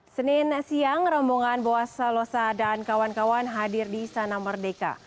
senin siang rombongan boas salosa dan kawan kawan hadir di sana merdeka